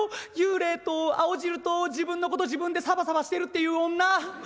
幽霊と青汁と自分のこと自分でサバサバしてるって言う女。